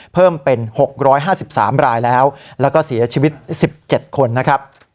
เพิ่มเป็น๖๕๓รายแล้วแล้วก็เสียชีวิต๑๗คนนะครับ